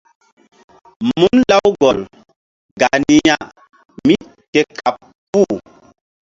Mun Lawgol gah ni ya mí ke kaɓ puh.